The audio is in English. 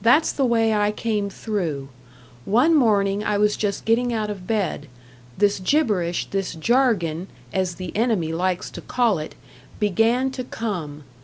That's the way I came through. One morning I was just getting out of bed, "this gibberish, this jargon" as the enemy likes to call it, began to come.